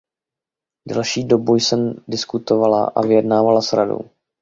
Delší dobu jsem diskutovala a vyjednávala s Radou.